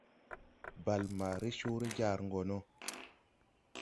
Bàl maa re coore jar gɔ no.